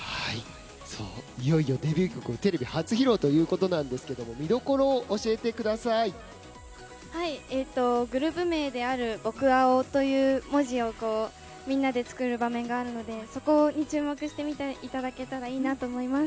いよいよデビュー曲をテレビ初披露ということなんですが見どころをグループ名である僕青という文字をみんなでつくる場面があるのでそこに注目して見ていただけたらいいなと思います。